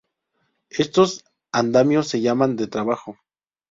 Estos andamios se llaman de trabajo.